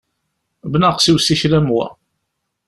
Bnaqes i usikel am wa!